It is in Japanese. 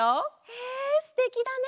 へえすてきだね。